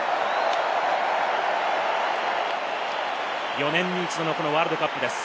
４年に一度のこのワールドカップです。